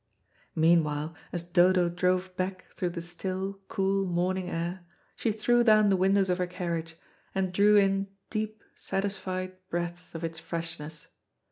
Meanwhile, as Dodo drove back through the still, cool, morning air, she threw down the windows of her carriage, and drew in deep satisfied breaths of its freshness.